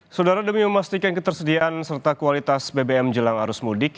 saudara demi memastikan ketersediaan serta kualitas bbm jelang arus mudik